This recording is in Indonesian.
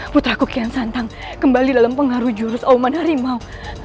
putraku kian santang kembali dalam pengaruh jurus auman harimau